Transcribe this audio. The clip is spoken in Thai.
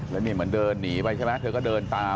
แล้วนี่เหมือนเดินหนีไปใช่ไหมเธอก็เดินตาม